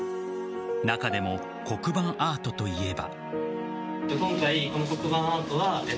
中でも黒板アートといえば。